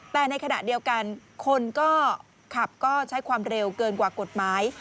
แต่ในขณะเดียวกันคนก็ขับก็ใช้ความเร็วเกินกว่ากฎหมาย